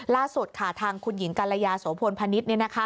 ล่าสุดค่ะทางคุณหญิงกัลยาโสพลพนิษฐ์